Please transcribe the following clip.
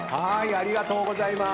ありがとうございます。